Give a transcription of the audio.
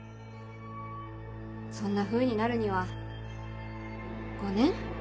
そんなふうになるには５年？